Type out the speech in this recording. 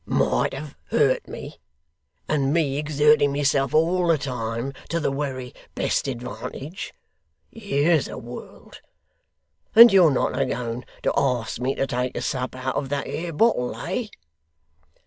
'Might have hurt me! and me exerting myself all the time to the wery best advantage. Here's a world! And you're not a going to ask me to take a sup out of that 'ere bottle, eh?